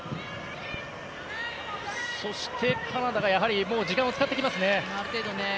そしてカナダがやはり時間を使ってきますね。